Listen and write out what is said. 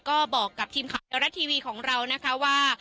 ก็บอกกับทีมข่าวเทวรัฐทีวีของเรานะคะว่า